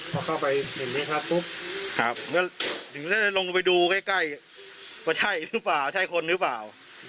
พอเข้าไปเห็นไหมครับปุ๊บก็ถึงได้ลงไปดูใกล้ใกล้ว่าใช่หรือเปล่าใช่คนหรือเปล่า